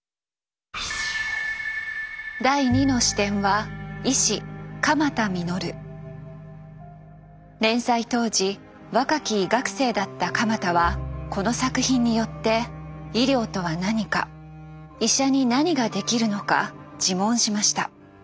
第２の視点は連載当時若き医学生だった鎌田はこの作品によって医療とは何か医者に何ができるのか自問しました。